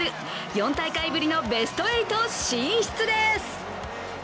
４大会ぶりのベスト８進出です。